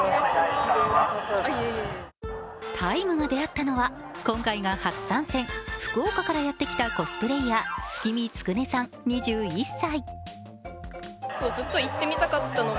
「ＴＩＭＥ，」が出会ったのは今回が初参戦、福岡からやってきたコスプレーヤー月海つくねさん２１歳。